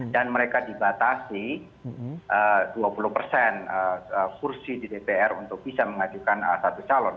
dan mereka dibatasi dua puluh persen kursi di dpr untuk bisa mengajukan